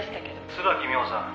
「椿美穂さん